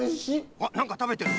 あっなんかたべてる。